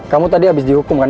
kamu tadi habis dihukum kan